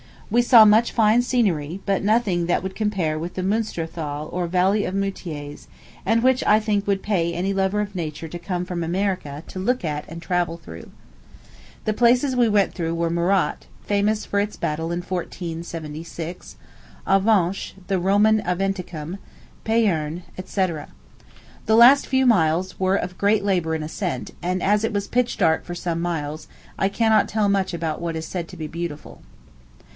We saw much fine scenery, but nothing that would compare with the Munster Thal or Valley of Moutiers, and which I think would pay any lover of nature to come from America to look at and travel through. The places we went through were Morat, famous for its battle in 1476; Avenches, the Roman Aventicum; Payerne, &c. The last few miles were of great labor in ascent; and as it was pitch dark for some miles, I cannot tell much about what is said to be beautiful.